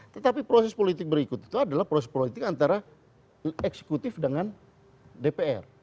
tetapi proses politik berikut itu adalah proses politik antara eksekutif dengan dpr